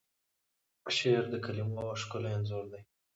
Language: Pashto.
شعر د کلیمو ښکلی انځور دی.